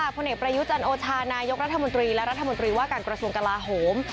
ผลเอกประยุจันโอชานายกรัฐมนตรีและรัฐมนตรีว่าการกระทรวงกลาโหม